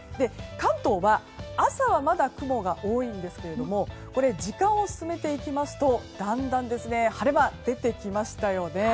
関東は朝はまだ雲が多いんですが時間を進めていきますとだんだん晴れ間が出てきましたよね。